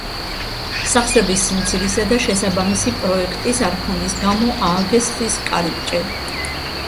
სახსრების სიმცირისა და შესაბამისი პროექტის არქონის გამო ააგეს ხის კარიბჭე.